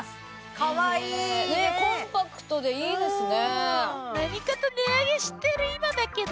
かわいいねコンパクトでいいですね